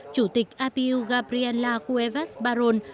chủ tịch ipu gabriela cuevas baron